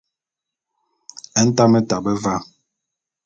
Ntame tabe va.